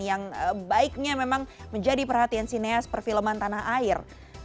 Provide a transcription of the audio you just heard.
yang baiknya memang menjadi perhatian sineas perfilman tanah air